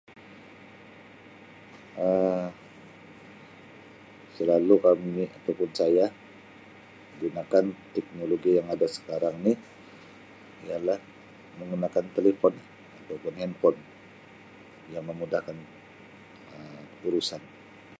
"Um Selalu kami atau pun saya gunakan teknologi yang ada sekarang ini ialah menggunakan telefon atau pun ""handphone"" yang memudahkan urusan."